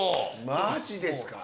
マジですか。